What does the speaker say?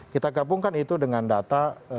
kita gabungkan itu dengan data